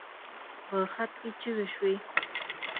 په خط کې چيغې شوې.